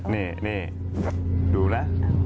นี่นี่ดูนะ